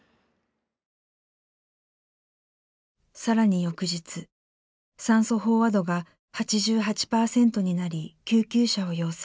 更に翌日酸素飽和度が８８％になり救急車を要請。